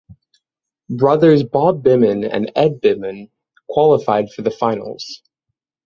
Brothers Bob Byman and Ed Byman qualified for the finals.